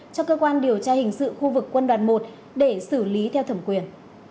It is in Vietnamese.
cho cơ quan điều tra hình sự khu vực quân đoàn một để xử lý theo thẩm quyền